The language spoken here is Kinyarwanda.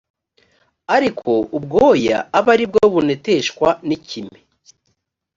ariko ubwoya abe ari buneteshwa n’ikime